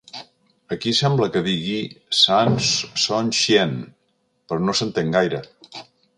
Aquí sembla que digui “sans son chien”, però no s'entén gaire.